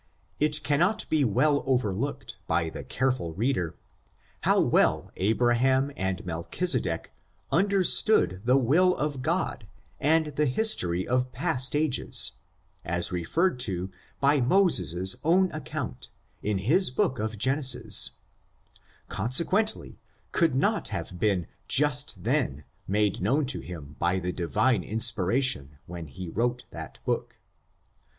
It cannot be well overlooked by the careful reader, how well Abraham and Melchisedec under stood the will of God, and the history of past ages, as referred to by Moses's own account, in his book of Genesis, consequently, could not have been just then made known to him by the Divine inspiration when he wrote that book.